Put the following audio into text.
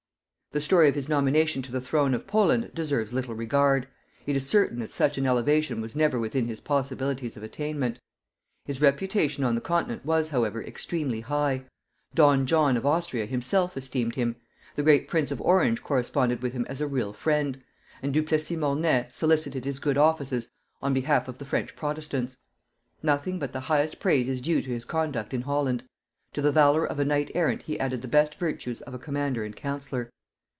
The story of his nomination to the throne of Poland deserves little regard; it is certain that such an elevation was never within his possibilities of attainment. His reputation on the continent was however extremely high; Don John of Austria himself esteemed him; the great prince of Orange corresponded with him as a real friend; and Du Plessis Mornay solicited his good offices on behalf of the French protestants. Nothing but the highest praise is due to his conduct in Holland; to the valor of a knight errant he added the best virtues of a commander and counsellor.